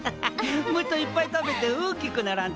もっといっぱい食べて大きくならんとな。